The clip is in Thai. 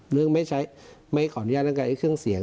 เรื่องไม่ใช้ไม่ขออนุญาตการณ์อีกเครื่องเสียง